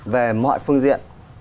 về mọi phương diện